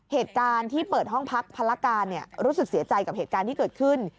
เหตุการณ์ที่เปิดห้องพักพลการรู้สึกเสียใจกับเหตุการณ์ที่เกิดขึ้น